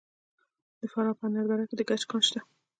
د فراه په انار دره کې د ګچ کان شته.